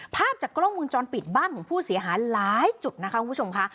ภาพจากกล้องมุมจรปิดบ้านของผู้เสียหายหลายจุดนะคะคุณผู้ชมค่ะ